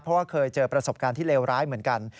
เพราะว่าเคยเจอประสบการณ์ที่เลวร้ายเหมือนกัน